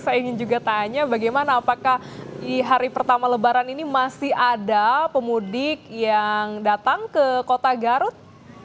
saya ingin juga tanya bagaimana apakah di hari pertama lebaran ini masih ada pemudik yang datang ke kota garut